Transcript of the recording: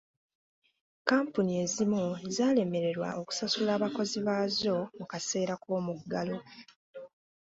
Kampuni ezimu zaalemererwa okusasula abakozi baazo mu kaseera k'omuggalo.